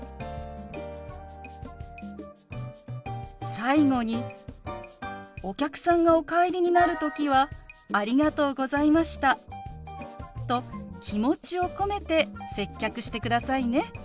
最後にお客さんがお帰りになる時は「ありがとうございました」と気持ちを込めて接客してくださいね。